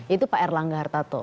itu pak erlangga hartato